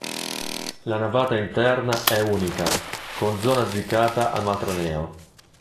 La navata interna è unica con zona dedicata al matroneo.